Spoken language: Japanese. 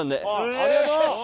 ありがとう！